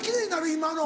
今の。